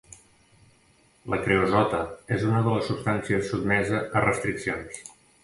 La creosota és una de les substàncies sotmesa a restriccions.